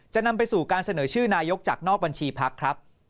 นำไปสู่การเสนอชื่อนายกจากนอกบัญชีพักครับ